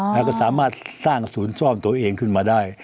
แล้วก็สามารถสร้างศูนย์ซ่อมตัวเองขึ้นมาได้